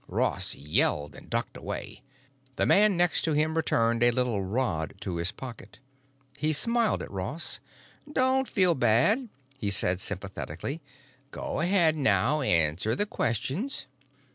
Ross yelled and ducked away; the man next to him returned a little rod to his pocket. He smiled at Ross. "Don't feel bad," he said sympathetically. "Go ahead now, answer the questions."